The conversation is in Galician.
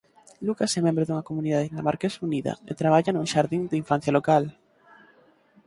Lucas é membro dunha comunidade dinamarquesa unida e traballa nun xardín de infancia local.